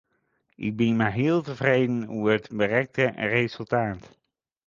Ik bin mar heal tefreden oer it berikte resultaat.